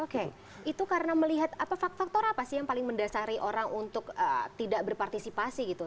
oke itu karena melihat faktor apa sih yang paling mendasari orang untuk tidak berpartisipasi gitu